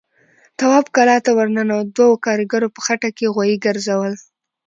تواب کلا ته ور ننوت، دوو کاريګرو په خټه کې غوايي ګرځول.